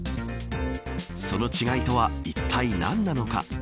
その違いとはいったい何なのか。